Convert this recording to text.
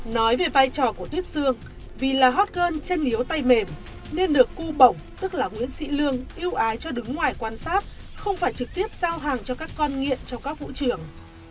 nói về vai trò của tuyết xương vì là hot girl trên liếu tay mềm nên được cô bổng tức là nguyễn sĩ lương yêu ái cho đứng ngoài quan sát không phải trực tiếp giao hàng cho các con nghiện trong các vũ trường